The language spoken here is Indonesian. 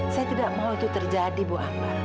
saya tidak mau itu terjadi bu akbar